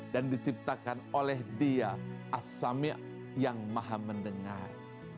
dan diciptakan oleh dia as samia yang maha mendengar